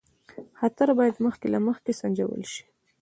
خطر باید مخکې له مخکې سنجول شي.